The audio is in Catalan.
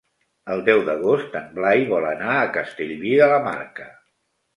El deu d'agost en Blai vol anar a Castellví de la Marca.